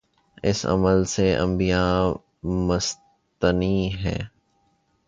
اس عمل سے انبیا مستثنی ہیں۔